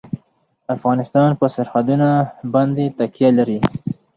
افغانستان په سرحدونه باندې تکیه لري.